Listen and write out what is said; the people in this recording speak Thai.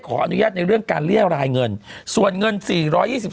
ขออนุญาตในเรื่องการเรียกรายเงินส่วนเงินสี่ร้อยยี่สิบ